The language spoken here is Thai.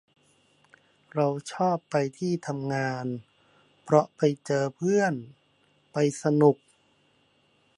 เราชอบไปที่ทำงาน เพราะไปเจอเพื่อน ไปสนุก